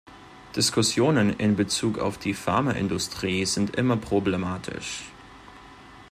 Diskussionen in Bezug auf die Pharmaindustrie sind immer problematisch.